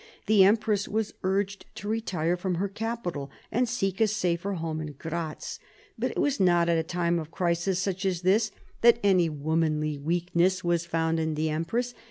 The empress was urged to retire from her capital and seek a safer home in Gratz. But it was not at a time of crisis such as this that any womanly weakness 1757 60 THE SEVEN YEARS' WAR 149 was found in the empress.